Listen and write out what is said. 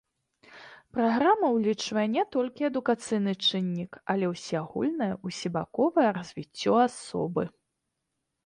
Праграма ўлічвае не толькі адукацыйны чыннік, але ўсеагульнае, усебаковае развіццё асобы.